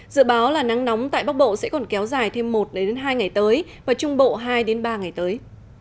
dự báo là nắng nóng tại bắc bộ sẽ còn kéo dài thêm một hai ngày tới và trung bộ hai ba ngày tới